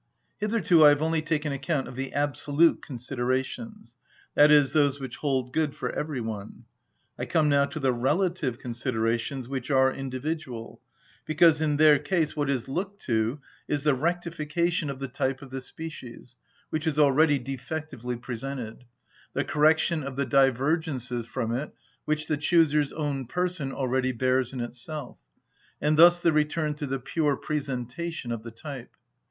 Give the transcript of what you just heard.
Hitherto I have only taken account of the absolute considerations, i.e., those which hold good for every one: I come now to the relative considerations, which are individual, because in their case what is looked to is the rectification of the type of the species, which is already defectively presented, the correction of the divergences from it which the chooser's own person already bears in itself, and thus the return to the pure presentation of the type.